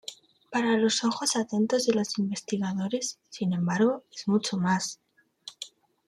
Para los ojos atentos de los investigadores, sin embargo, es mucho más.